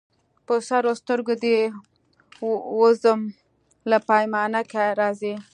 په سرو سترګو دي وزم له پیمانه که راځې